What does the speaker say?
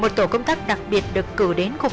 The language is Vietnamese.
một tổ công tác đặc biệt được cử đến từ lần đầu năm chính